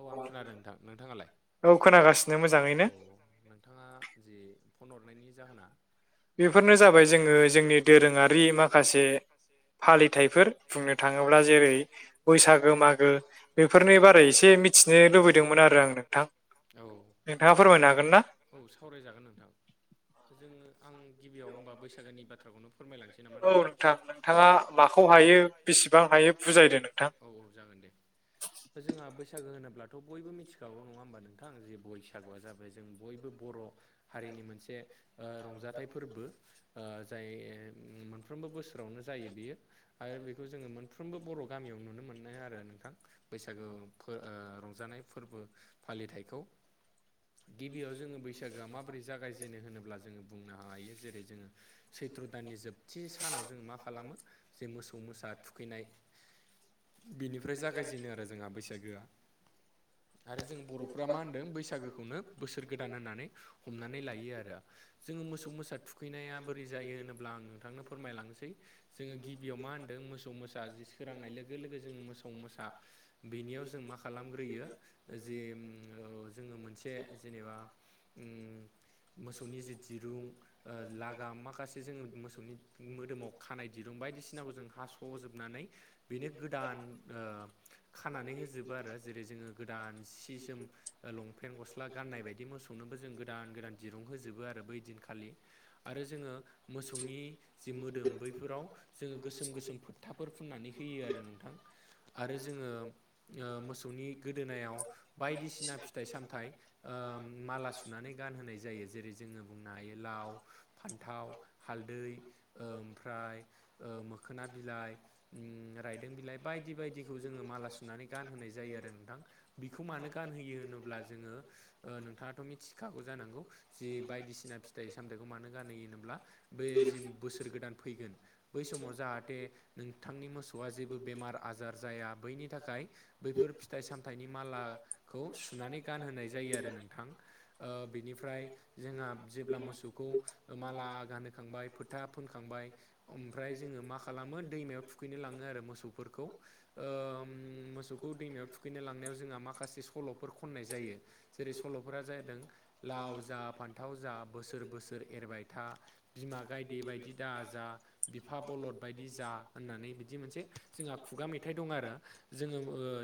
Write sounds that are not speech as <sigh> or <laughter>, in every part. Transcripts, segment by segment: औ आं खोनादों नोंथां नोंथाङालाय औ नोंथाङा जे फन हरनायनि जाहोना बेफोरनो जाबाय जोङो जोंनि दोरोङारि माखासे फालिथायफोर बुंनो थाङोब्ला जेरै बैसागो मागो बेफोरनि बारै एसे मिथिनो लुबैदोंमोन आरो आं नोंथां औ नोंथाङा फोरमायनो हागोन ना औ सावरायजागोन नोंथां जोङो आं गिबियाव होमबा बैसागोनि बाथ्राखौनो फोरमायलांसै औ नोंथां नोंथाङा माखौ हायो बेसेबां हायो बुजायदो नोंथां औ औ जागोन दे जोंहा बैसागो होनोब्लाथ' बयबो मिथिखागौ नङा होमबा नोंथां जे बैसागुआ जाबाय जों बयबो बर' हारिनि मोनसे रंजाथाइ फोरबो जाय मोनफ्रोमबो बोसोरावनो जायो बियो आरो बेखौ जोङो मोन फ्रोमबो बर' गामियाव नुनो मोनो आरो नोंथां बैसागो रंजानाय फोरबो फालिथायखौ गिबियाव जोङो बैसागोआ माबोरै जागायजेनो होनोब्ला जोङो बुंनो हायो जेरै जोङो सैथ्र' दाननि जोबथि सानाव जों मा खालामो जे मोसौ मोसा थुखैनाय बिनिफ्राय जागायजेनो आरो जोंहा बैसागोआ आरो जों बर'फ्रानो मा होनदों बैसागोखौनो बोसोर गोदान होननानै हमनानै लायो आरो जोङो मोसौ मोसा थुखैनाया बोरै जायो होनोब्ला आं नोंथांनो फोरमायलांनोसै जोङो गिबियाव मा होनदों मोसौ मोसा जि सोरांनाय लोगो लोगो जोङो मोसौ मोसा बेनियाव जों मा खालामग्रोयो जे जोङो मोनसे जेनेबा मोसौनि जि दिरुं लागाम माखासे जोङो मोसौनि मोदोमाव खानाय दिरुं बायदिसिनाखौ जों हास'जोबनानै बेनो गोदान खानानै होजोबो आरो जेरै जोङो गोदान सि जोम लंपेन्ट गस्ला गाननाय बायदि बिदि मोसौनोबो जों गोदान गोदान दिरुं होजोबो आरो बै दिनखालि आरो जोङो मोसौनि जि मोदोम बैफोराव जोङो गोसोम गोसोम फोथाफोर फुननानै होयो होयो आरो नोंथां आरो जोङो मोसौनि गोदोनायाव बायदिसिना फिथाइ सामथाइ माला सुनानै गानहोनाय जायो जेरै जोङो बुंनो हायो लाव फान्थाव हालदै ओमफ्राय ओ मोखोना बिलाइ उ रायदों बिलाइ बायदि बायदिखौ जोङो माला सुनानै गानहोनाय जायो आरो नोंथां बिखौ मानो गानहोयो होनोब्ला जोङो नोंथाङाथ' मिथिखागौ जानांगौ जि बायदिसिना फिथाइ सामथाइखौ मानो गानोहो होनोब्ला बे जि बोसोर गोदान फैगोन बै समाव जाहाथे नोंथांनि मोसौ मोसौआ जेबो बेमार आजार जाया बैनि थाखाय बैफोर फिथाइ सामथाइनि मालाखौ सु सुनानै गानहोनाय जायो आरो नोंथां बिनिफ्राय जोंहा जेब्ला मोसौखौ माला गानहोखांबाय फोथा फुनखांबाय ओमफ्राय जोङो मा खालामो दैमायाव थुखैनो लाङो आरो मोसौफोरखौ ओम मोसौखौ दैमायाव थुखैनो लांनायाव जोंहा माखासे सल'फोर खननाय जायो। जेरै सल'फोरा जादों लाव जा फान्थाव जा बोसोर बोसोर एरबाय था बिमा गायदे बायदि दा जा बिफा बलद बायदि जा होननानै बिदि मोनसे जोंहा खुगा मेथाइ दं आरो जोङो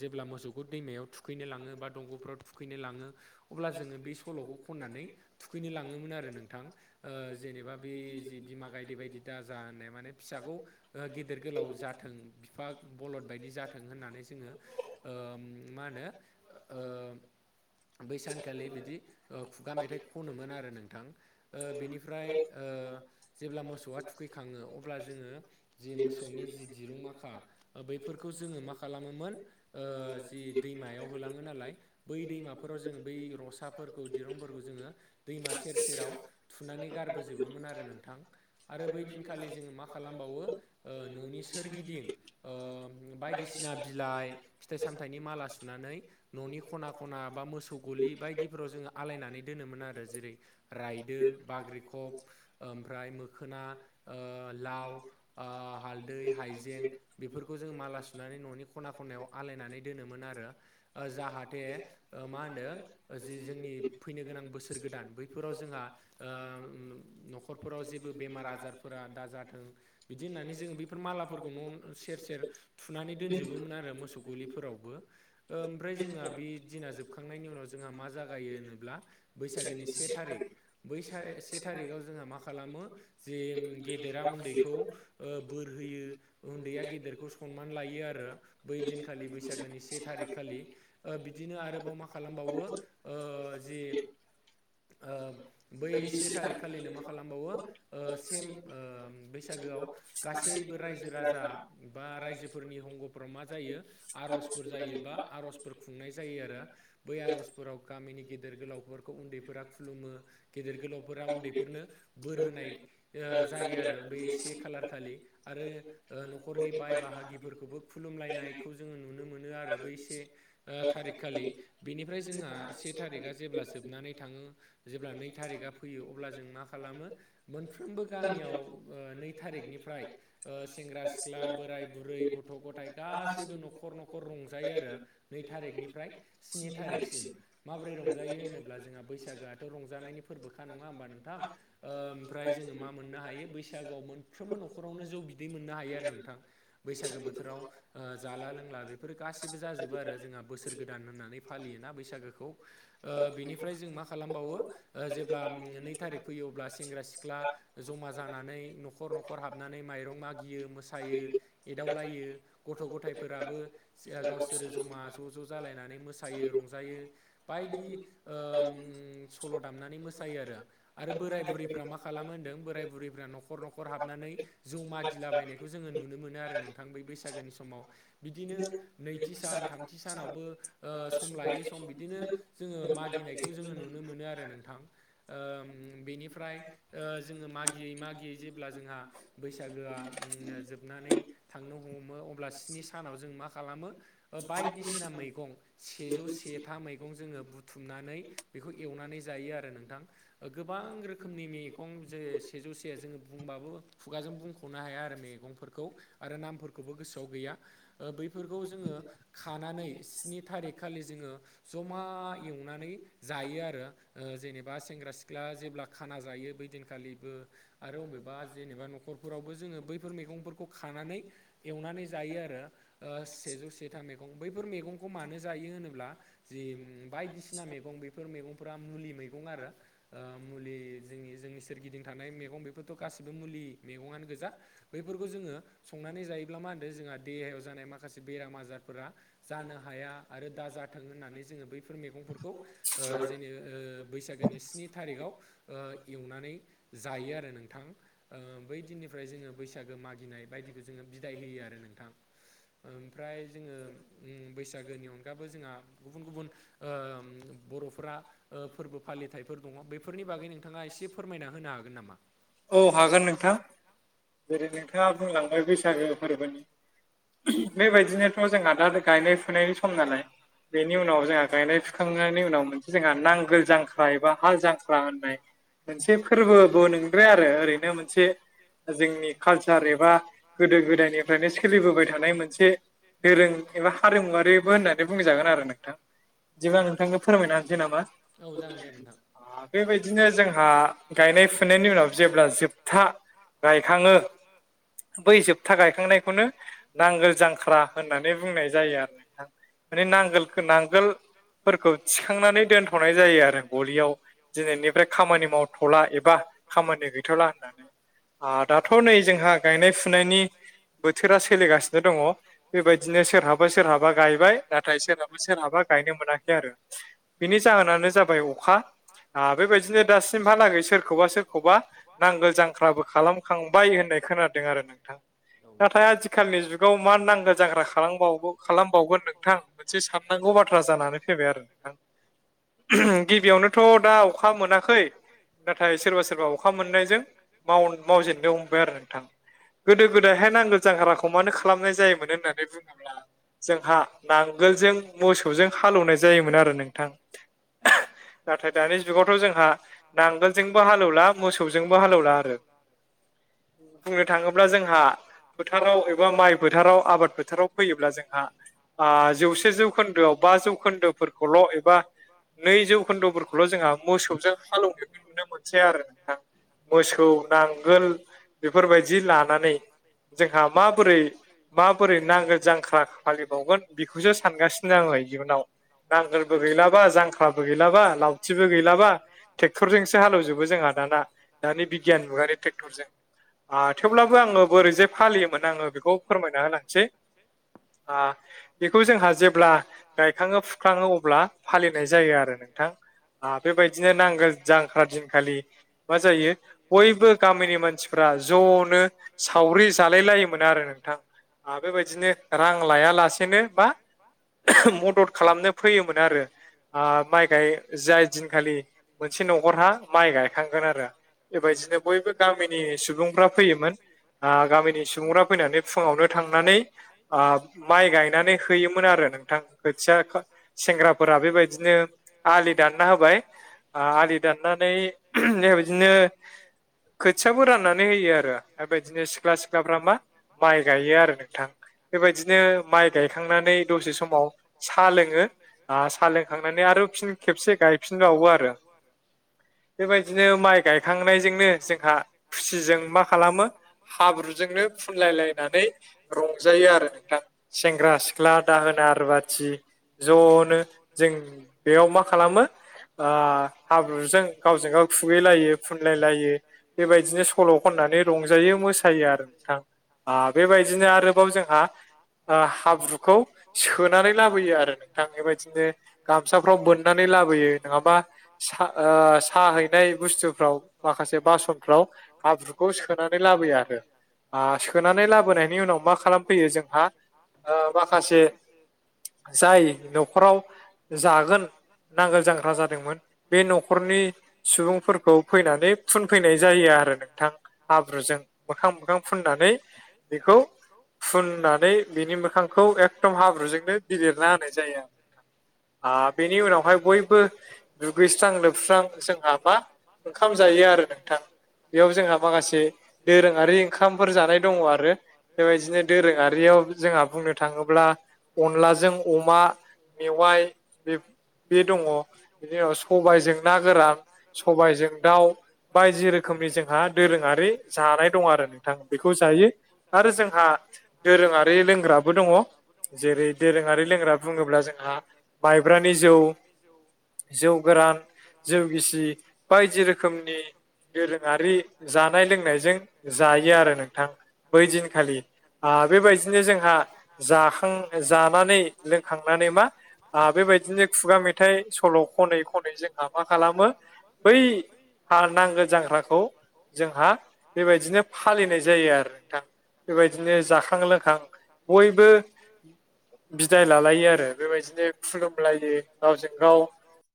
जेब्ला मोसौखौ दैमायाव थु खैनो लाङो बा दंग'फ्राव थुखैनो लाङो अब्ला जोङो बे सल'खौ खननानै थुखैनो लाङोमोन आरो नोंथां ओ जेनेबा बे जि बिमा गायदे बायदि दाजा होननाय माने फिसाखौ गेदेर गोलाव जात थों बिफा बलद बायदि जाथों होननानै जोङो मा होनो ओ बै सानखालि बिदि ओ खुगा मेथाइ खनोमोन आरो नोंथां। ओ बिनिफ्राय ओ जेब्ला मौसौ आ थुखैखाङो अब्ला जोङो जे मोसौनि जि दिरुं माखा ओ बेैफोरखौ जोङो मा खालामोमोन ओ जि दैमायाव होलाङो नालाय बै दैमाफोराव जोङो बै रसाफोरखौ दिरुंफोरखौ जोङो दैमा सेर सेर सेराव थुनानै गारबोजोबोमोन आरो नोंथां। आरो बै दिनखालि जोङो मा खालामबावो ओ न'नि सोरगिदिं ओ बायदिसिना बिलाइ फिथाइ सामथाइनि माला सुनानै न'नि खना खना बा मोसौ गलि बायदिफोराव जोङो आलायनानै दोनोमोन आरो जेरै रायदों, बाग्रिखब ओमफ्राय मोखोना ओ लाव ओ हालदै हाइजें बेफोरखौ जों माला सुनानै न'नि खना खननायाव आलायनानै दोनोमोन आरो। ओ जाहाथे ओ मा होनदों जि जोंनि फैनो गोनां बोसोर गोदान बैफोराव जोंहा ओ नखरफोराव जेबो बेमार आजारफोरा दाजाथों बिदि होननानै जों बे फोर मालाफोरखौ न' सेर सेर थुनानै दोनजोबोमोन आरो मोसौ गलिफोरावबो। ओमफ्राय जोंहा बे दिना जोबखांनायनि उनाव जोंहा मा जागायो होनोब्ला बैसागोनि से थारिख बै सा से थारिखाव जोंहा मा खालामो जे गेदेरा उन्दैखौ ओ बोर होयो उन्दैया गेदेरखौ सनमान लायो आरो। बै दिनखालि बैसागोनि से थारिख खालि ओ बिदिनो आरोबाव मा खालामबावो ओ जि ओ बै से थारिख खालिनो मा खालामबावो ओ सेम ओ बैसागोआव गासैबो रायजो राजा बा रायजोफोरनि हंग'फ्राव मा जायो आर'जफोर जायो। बा आर'जफोर खुंनाय जायो आरो बै आर'ज फोराव गामिनि गेदेर गोलावफोरखौ उन्दैफोरा खुलुमो। गेदेर गोलावफोरा उन्दैफोरनो बोर होनाय ओ जायो आरो बे से खालार खालि आरो ओ नखरनि बाय बाहागिफोरखौबो खुलुमलायनायखौ जोङो नुनो मोनो आरो बै से ओ थारिक खालि बेनिफ्राय जोंहा से थारिकआ जेब्ला जोबनानै थाङो जेब्ला नै थारिकआ फैयो अब्ला जों मा खालामो। मोनफ्रोमबो गामियाव ओ नै थारिखनिफ्राय ओ सेंग्रा सिख्ला बोराय बुरै गथ' गथाय गासैबो नखर नखर रंजायो आरो। नै थारिखनिफ्राय स्नि थारिखसिम माबोरै रंजायो होनोब्ला जोंहा बैसागोआथ' रंजानायनि फोरबोखा नङा ओमबा नोंथां? ओमफ्राय जोङो मा मोननो हायो बैसागोआव मोनफ्रोमबो न'खरावनो जौ बिदै मोननो हायो आरो नोंथां। बैसागो बोथोराव ओ जाला लोंला बेफोर गासिबो जाजोबो आरो जोंहा बोसोर गोदान होननानै फालियोना बैसागोखौ। ओ बेनिफ्राय जों मा खालामबावो? ओ जेब्ला नै थारिख फैयो अब्ला सेंग्रा सिख्ला जमा जानानै नखर नखर हाब हाबनानै माइरं मागियो मोसायो एदावलायो गथ' गथायफोराबो गावसोरो जमा ज' ज' जालायनानै मोसायो रंजायो। बायदि ओम सल' दामनानै मोसायो आरो। आरो बोराय बुरैफ्रा मा खालामो होनदों बोराय बुरैफ्रा नखर नखर हाबनानै जौ मादिला बायनायखौ जोङो नुनो मोनो आरो नोंथां बै बैसागोनि समाव बिदिनो नैथि सान थामथि सानावबो ओ सम लायै सम बिदिनो जोङो मागिनायखौ जोङो नुनो मोनो आरो नोंथां। ओम बेनिफ्राय ओ जोङो मागियै मागियै जेब्ला जोंहा बैसागोआ जोबनानै थांनो हमो अब्ला स्नि सानाव जों मा खालामो। बायदिसिना मैगं सेजौ सेथा मैगं जोङो बुथुमनानै बेखौ एवनानै जायो आरो नोंथां गोबां रोखोमनि मैगं जे सेजौ से जोङो बुंबाबो खुगाजों बुंख'नो हाया आरो मैगंफोरखौ आरो नामफोरखौबो गोसोआव गैया बैफोरखौ जोङो खानानै स्नि थारिख खालि जोङो जमा एवनानै जायो आरो जेनेबा सेंग्रा सिख्ला जेब्ला खाना जायो बै दिनखालिबो आरो बबेबा जेनेबा न'खरफोरावबो जोङो बैफोर मैगंफोरखौ खानानै एवनानै जायो आरो सेजौ सेथाम मैगं बैफोर मैगंखौ मानो जायो होनोब्ला जि बायदिसिना मैगं बेफोर मैगंफोरा मुलि मैगं आरो मुलि जोंनि जोंनि सोरगिदिं थानाय मैगं बेफोरथ' गासैबो मुलि मैगं आ नो गोजा बैफोरखौ जोंड़ो संनानै जायोब्ला मा होनो जोंहा देहायाव जानाय माखासे बेराम आजारफोरा जानो हाया आरो दा होननानै जोङो बैफोर मैगं जो बैसागोनि स्नि थारिखाव एवनानै जायो आरो नोंथां बै दिननिफ्राय जोङो बैसागो मागिनाय बायदिखौ जोङो बिदाय होयो आरो नोंथां ओमफ्राय जोङो बैसागोनि अनगाबो जोंहा गुबुन गुबुन बर'फोरा फोरबो फालिथायफोर दङ बेफोरनि बागै नोंथाङा एसे फोरमायना होनो हागोन नामा औ हागोन नोंथां जेरै नोंथाङा बुंलांबाय बैसागो फोरबोनि बेबायदिनोथ' जोंहा दा गायनाय फुनायनि सम नालाय बेनि उनाव जोंहा गायनाय फुखांनायनि उनाव मोन जोंहा नांगोल जांख्रा एबा हाल जांख्रा होननाय मोनसे फोरबोबो नंद्राया आरो ओरैनो मोनसे जोंनि कालसार एबा गोदो गोदायनिफ्रायनो सोलिबोबाय थानाय मोनसे दोरों एबा हारिमुवारिबो होननानै बुंजागोन आरो नोंथां बिदिब्ला आं नोंथांनो फोरमायना होनसै नामा औ जागोन दे नोंथां बेबायदिनो जोंहा गायनाय फुनायनि उनाव जेब्ला जोबथा गायखाङो बै जोबथा गायखांनायखौनो नांगोल जांख्रा होननानै बुंनाय जायो आरो नोंथां माने नांगोलखौ नांगोलफोरखौ थिखांनानै दोनथ'नाय जायो आरो गलियाव दिनैनिफ्राय खामानि मावथ'ला एबा खामानि गैथ'ला होननानै दाथ' नै जोंहा गायनाय फुनायनि बोथोरा सोलिगासिनो दङ बेबायदिनो सोरहाबा सोरहाबा गायबाय नाथाय सोरहाबा सोरहाबा गायनो मोनाखै आरो बेनि जाहोनानो जाबाय अखा बेबायदिनो दासिमहालागै सोरखौबा सोरखौबा नांगोल जांख्राबो खालामखांबाय होननाय खोनादों आरो नोंथां नाथाय आथिखालनि जुगाव मा नांगो जांखाराबाव खालामबावगोन नोंथां मोनसे साननांगौ बाथ्रा जानानै फैबाय आरो नोंथां गिबियावनोथ' दा अखा मोनाखै नाथाय सोरबा सोरबा अखा मोननायजों मावजेननो हमबाय आरो नोंथां गोदो गोदायहाय नांगोल जांखाराखौ मानो खालामनाय जायोमोन होननानै बुङोब्ला जोंहा नांगोलजों मोसौजों हालएवनाय जायोमोन आरो नोंथां नाथाय दानि जुगावथ' जोंहा नांगोलजोंबो हालएवला मोसौजोंबो हालएवला आरो बुंनो थाङोब्ला जोंहा फोथाराव एबा माइ फोथाराव आबाद फोथाराव फैयोब्ला जोंहा जौसे जौखोन्दोआव बा जौखोन्दोफोरखौल' एबा नै जौखोन्द'फोरखौल' जोंहा मोसौजों हालएवनायखौ नुनो मोनसै आरो नोंथां मोसौ नांगोल बेफोरबायदि लानानै जोंहा माबोरै माबोरै नांगो जांख्रा फालिबावगोन बेखौसो सानगासिनो दं आङो इयुनाव नांगोलबो गैलाबा जांख्राबो गैलाबा लावथिबो गैलाबा टेक्टरजोंसो हालेवजोबो जोंहा दाना दानि बिगियान मुगानि टेक्टरजों आ थेवब्लाबो आङो बोरैजाय फालियोमोन आङो बेखौ फोरमायना होलांसै आ बेखौ जोंहा जेब्ला गायखाङो फुखालाङो अब्ला फालिनाय जायो आरो नोंथां। आ बेबायदिनो नांगोल जांख्रा दिनखालि मा जायो बयबो गामिनि मानसिफ्रा ज'नो सावरि जालायलायोमोन आरो नोंथां। आ बेबायदिनो रां लाया लासेनो मा <inaudible> मदद खालामनो फैयोमोन आरो। ओ माइ गाय जाय दिनखालि मोनसे न'खरहा माइ गायखांगोन आरो। बेबायदिनो बयबो गामिनि सुबुंफ्रा फैयोमोन। आ गामिनि सुबुंफ्रा फैनानै फुङावनो थांनानै आ माइ गायनानै हैयोमोन आरो नोंथां खोथिया खा सेंग्राफोरा बेबायदिनो <inaudible> आ आलि दाननानै <inaudible> बिदिनो खोथियाबो राननानै होयो आरो बेबायदिनो सिख्ला सिख्लाफ्रा मा माइ गायो आरो नोंथां। बेबायदिनो माइ गायखांनानै दसे समाव साहा लोङो। आ सा लोंखांनानै आरो फिन खेबसे गायफिनबावो आरो। बेबायदिनो माइ गायखांनायजोंनो जोंहा खुसिजों मा खालामो हाब्रुजोंनो फुनलाय लायनानै रंजायो आरो नोंथां सेंग्रा-सिख्ला दाहोना-रुवाथि ज'नो जों बेयाव मा खालामो आ हाब्रुजों गावजों गाव खुबैलायो फुनलाय लायो। बेबायदिनो सल' खननानै रंजायो मोसायो आरो नोंथां। आ बेबायदिनो आरोबाव जोंहा आ हाब्रुखौ सोनानै लाबोयो आरो नोंथां बेबायदिनो गामसाफ्राव मोननानै लाबोयो नङाबा सा आ सा हैनाय बुस्थु फ्राव माखासे बासनफ्राव हाब्रुखौ सोनानै लाबोयो आरो। आ सोनानै लाबोनायनि उनाव मा खालामफैयो जोंहा ओ माखासे जाय न'खराव जागोन नांगोल जाख्रा जादोंमोन बे न'खरनि सुबुंफोरखौ फैनानै फुनफैनाय जायो आरो नोंथां हाब्रुजों मोखां- मोखां फुननानै बेखौ फुननानै बिनि मोखां खौ एखदम हाब्रुजोंनो बिलिरना होनाय जायो आरो। आ बेनि उनावहाय बयबो दुगैस्रां-लोबस्रां जोंहा मा ओंखाम जायो आरो नोंथां। बेयाव जोंहा माखासे दोरोङारि ओंखामफोर जानाय दङ' आरो। बेबायदिनो दोरोङारियाव जोंहा बुंनो थाङोब्ला अनलाजों अमा मेवाइ बे बे दङ' बिनि उनाव सबायजों ना गोरान सबायजों दाउ बायदि रोखोमनि जोंहा दोरोङारि जानाय दं आरो नोंथां बेखौ जायो। आरो जोंहा दोरोङारि लोंग्राबो दङ' जेरै दोरोङारि लोंग्रा बुङोब्ला जोंहा माइब्रानि जौ, जौ गोरान, जौ गिसि बायदि रोखोम रोखोमनि दोरोङारि जानाय- लोंनायजों जायो आरो नोंथां। बै दिनखालि आ बेबायदिनो जोंहा जाखां- जानानै लोंखांनानै मा आ बेबायदिनो खुगा मेथाइ सल' खनै-खनै जोंहा मा खालामो बै आ नांगोल जांख्राखौ जोंहा बेबायदिनो फालिनाय जायो आरो नोंथां बेबायदिनो जाखां- लोंखां <inaudible> बयबो बिदाय लालायो आरो बेबायदिनो खुलुमलायो गावजों गाव